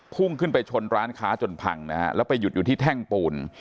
พุ่งขึ้นไปชนร้านค้าจนพังนะฮะแล้วไปหยุดอยู่ที่แท่งปูน